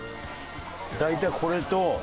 大体これと。